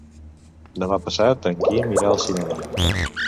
Demà passat en Quim irà al cinema.